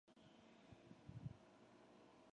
断穗狗尾草为禾本科狗尾草属下的一个种。